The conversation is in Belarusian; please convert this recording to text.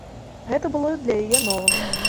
Гэта было для яе нова.